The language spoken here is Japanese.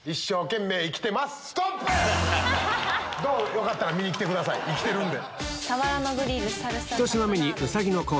よかったら見に来てください生きてるんで。